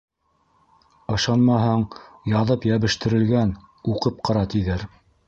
Ышанмаһаң яҙып йәбештерелгән, уҡып ҡара, — тиҙәр.